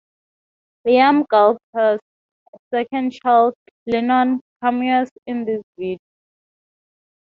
Liam Gallagher's second child, Lennon, cameos in this video.